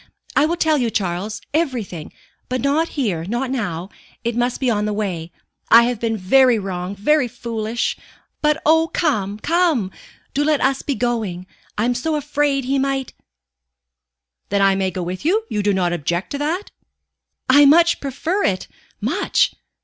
I will tell you, Charles, everything; but not here not now. It must be on the way. I have been very wrong, very foolish but oh, come, come, do let us be going. I am so afraid he might " "Then I may go with you? You do not object to that?" "I much prefer it much.